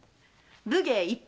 武芸一般！